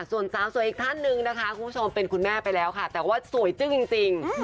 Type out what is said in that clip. ส่วนสาวสวยอีกท่านหนึ่งนะคะคุณผู้ชมเป็นคุณแม่ไปแล้วค่ะแต่ว่าสวยจึ้งจริง